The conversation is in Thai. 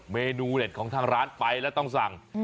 เมนูเด็ดของทางร้านไปแล้วต้องสั่ง